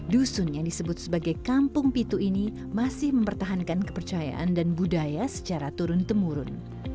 dusun yang disebut sebagai kampung pitu ini masih mempertahankan kepercayaan dan budaya secara turun temurun